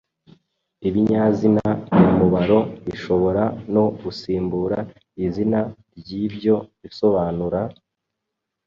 Ibinyazina nyamubaro bishobora no gusimbura izina ry’ibyo bisobanura.